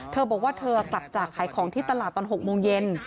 เธอบอกว่าเธอกลับจากขายของที่ตลาดตอน๖โมงเย็น